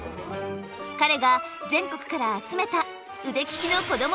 彼が全国から集めた腕利きのこども